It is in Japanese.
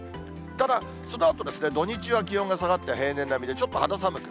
ただ、そのあと、土日は気温が下がって平年並みで、ちょっと肌寒い。